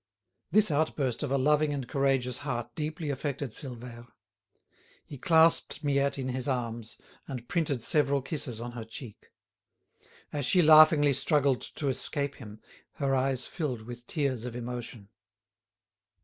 This outburst of a loving and courageous heart deeply affected Silvère. He clasped Miette in his arms and printed several kisses on her cheek. As she laughingly struggled to escape him, her eyes filled with tears of emotion.